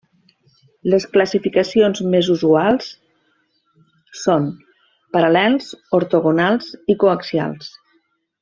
Les classificacions més usuals són: paral·lels, ortogonals i coaxials.